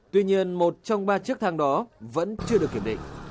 tuy nhiên một trong ba chiếc thang đó vẫn chưa được kiểm định